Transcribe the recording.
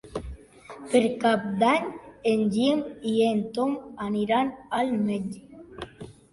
Per Cap d'Any en Guim i en Tom aniran al metge.